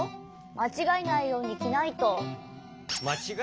まちがえないようにきないと。